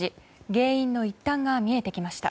原因の一端が見えてきました。